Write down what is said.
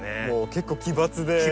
もう結構奇抜で。